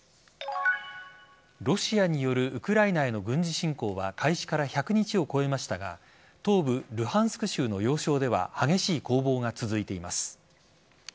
ロシアによるウクライナへの軍事侵攻は開始から１００日を超えましたが東部・ルハンスク州の要衝では激しい攻防が続いています。